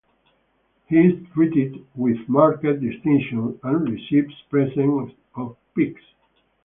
He is treated with marked distinction and receives presents of pigs.